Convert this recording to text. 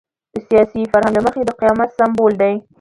د سیاسي فرهنګ له مخې د قیامت سمبول دی.